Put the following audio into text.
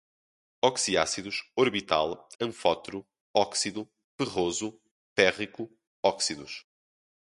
oxiácidos, orbital, anfótero, óxido, ferroso, férrico, óxidos